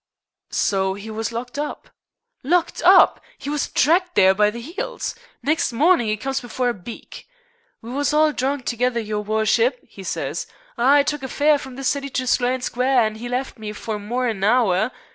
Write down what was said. "So he was locked up?" "Locked up! 'E was dragged there by the 'eels. Next mornin' 'e comes before the beak. 'We was all drunk together, your wurshup,' 'e says. 'I took a fare from the City to Sloane Square, an' 'e left me for more'n an hour.